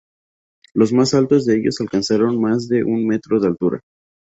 Los más altos de ellos alcanzaron más de un metro de altura.